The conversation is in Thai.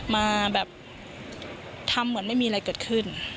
มาแบบทำเหมือนไม่มีอะไรเกิดขึ้น